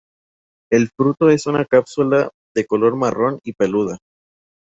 El fruto es una cápsula de color marrón y peluda.